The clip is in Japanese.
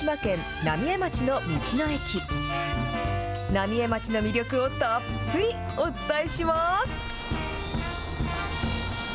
浪江町の魅力をたっぷりお伝えします。